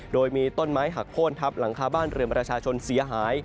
โดยมีต้นไม้หักโค้นทับหลังคาบ้านเรือนประชาชนเสียหาย